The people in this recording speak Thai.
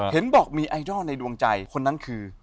เห็นบอกมีไอดอลในดวงใจคนนั้นคือ